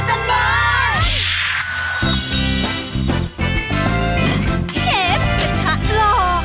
เชฟกระทะลอ